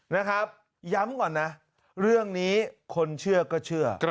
นะครับย้ำก่อนนะเรื่องนี้คนเชื่อก็เชื่อ